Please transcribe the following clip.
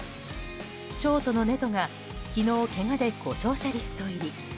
ショートのネトが昨日、けがで故障者リスト入り。